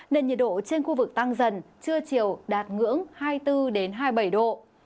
nên nhiệt độ trên khu vực tăng dần trưa chiều đạt ngưỡng hai mươi bốn hai mươi bảy độ